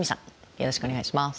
よろしくお願いします。